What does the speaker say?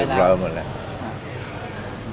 เรียบร้อยหมดแล้ว